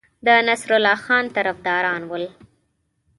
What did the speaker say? د نصرالله خان طرفداران ول.